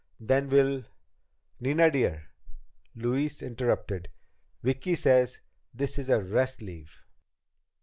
Then we'll ..." "Nina, dear," Louise interrupted, "Vicki says this is a rest leave."